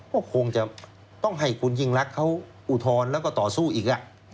ก็คงจะต้องให้คุณยิ่งรักเขาอุทธรณ์แล้วก็ต่อสู้อีก